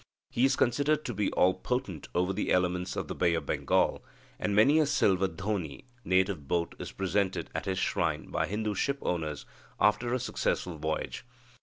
He is considered to be all potent over the elements of the Bay of Bengal, and many a silver dhoni (native boat) is presented at his shrine by Hindu ship owners after a successful voyage.